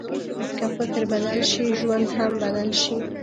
که فکر بدل شي، ژوند هم بدل شي.